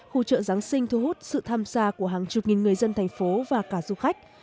khu chợ giáng sinh thu hút sự tham gia của hàng chục nghìn người dân thành phố và cả du khách